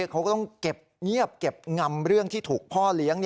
เขาก็ต้องเก็บเงียบเก็บงำเรื่องที่ถูกพ่อเลี้ยง